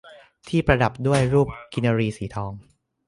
ที่ประดับด้วยรูปกินรีสีทอง